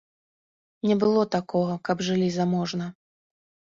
Не было такога, каб жылі заможна.